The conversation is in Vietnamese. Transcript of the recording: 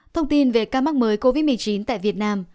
thông tin về ca mắc mới covid một mươi chín tại việt nam